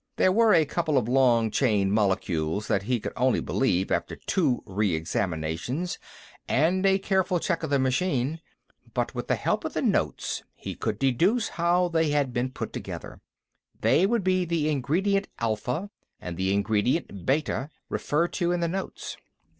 There were a couple of long chain molecules that he could only believe after two re examinations and a careful check of the machine, but with the help of the notes he could deduce how they had been put together. They would be the Ingredient Alpha and Ingredient Beta referred to in the notes.